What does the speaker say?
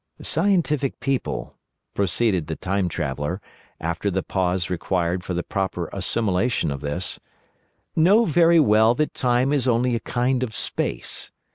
"Scientific people," proceeded the Time Traveller, after the pause required for the proper assimilation of this, "know very well that Time is only a kind of Space.